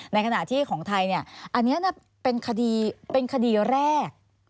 ในขณะที่ของไทยนี่อันนี้เป็นคดีแรก